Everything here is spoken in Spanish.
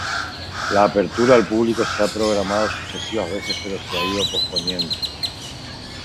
La apertura al público se ha programado sucesivas veces, pero se ha ido posponiendo.